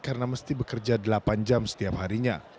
karena mesti bekerja delapan jam setiap harinya